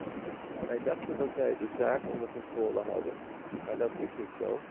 Wij dachten dat wij de zaak onder controle hadden, maar dat is niet zo.